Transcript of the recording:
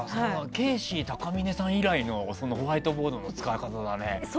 ケーシー高峰さん以来のホワイトボードの使い方だね。